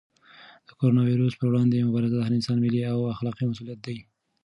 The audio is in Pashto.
د کرونا وېروس پر وړاندې مبارزه د هر انسان ملي او اخلاقي مسؤلیت دی.